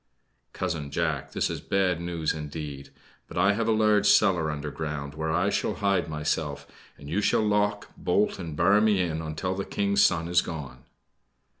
"Cousin Jack, this is bad news indeed! But I have a large cellar underground, where I shall hide myself, and you shall lock, bolt and bar me in until the King's son is gone."